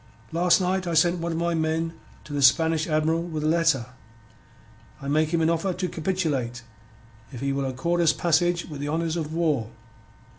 "Last night I send one of my men to the Spanish Admiral with a letter. I make him offer to capitulate if he will accord us passage with the honours of war.